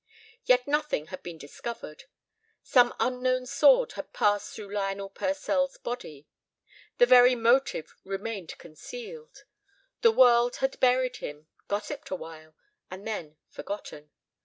Yet nothing had been discovered. Some unknown sword had passed through Lionel Purcell's body. The very motive remained concealed. The world had buried him, gossiped awhile, and then forgotten.